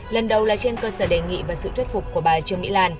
lần đầu là trên cơ sở đề nghị và sự thuyết phục của bà trương mỹ lan